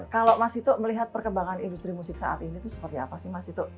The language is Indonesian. kalau mas dito melihat perkembangan industri musik saat ini itu seperti apa sih mas dito